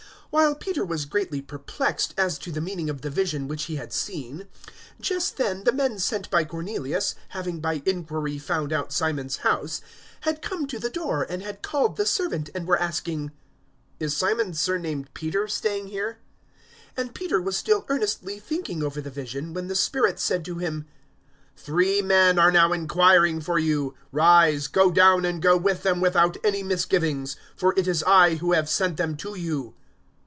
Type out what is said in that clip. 010:017 While Peter was greatly perplexed as to the meaning of the vision which he had seen, just then the men sent by Cornelius, having by inquiry found out Simon's house, 010:018 had come to the door and had called the servant, and were asking, "Is Simon, surnamed Peter, staying here?" 010:019 And Peter was still earnestly thinking over the vision, when the Spirit said to him, "Three men are now inquiring for you. 010:020 Rise, go down, and go with them without any misgivings; for it is I who have sent them to you."